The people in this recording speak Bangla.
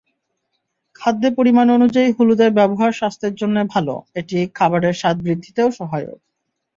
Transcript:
খাদ্যে পরিমাণ অনুযায়ী হলুদের ব্যবহার স্বাস্থ্যের জন্য ভালো, এটি খাবারের স্বাদ বৃদ্ধিতেও সহায়ক।